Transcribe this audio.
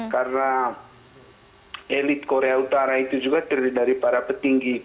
karena elit korea utara itu juga terdiri dari para pemerintah